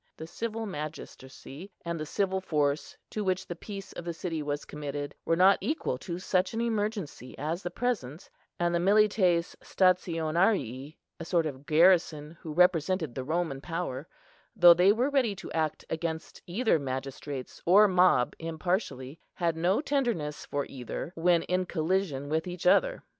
The civil magistracy and the civil force to which the peace of the city was committed, were not equal to such an emergency as the present; and the milites stationarii, a sort of garrison who represented the Roman power, though they were ready to act against either magistrates or mob impartially, had no tenderness for either, when in collision with each other.